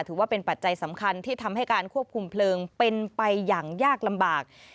ปัจจัยสำคัญที่ทำให้การควบคุมเพลิงเป็นไปอย่างยากลำบาก